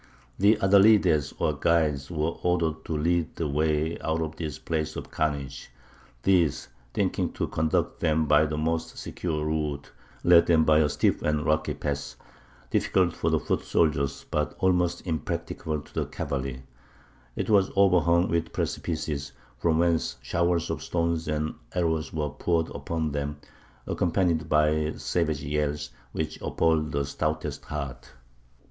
"The Adalides, or guides, were ordered to lead the way out of this place of carnage. These, thinking to conduct them by the most secure route, led them by a steep and rocky pass, difficult for the foot soldiers, but almost impracticable to the cavalry. It was overhung with precipices, from whence showers of stones and arrows were poured upon them, accompanied by savage yells, which appalled the stoutest heart.